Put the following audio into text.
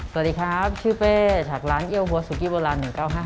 สวัสดีครับชื่อเป้จากร้านเอี้ยวหัวสุกี้โบราณ๑๙๕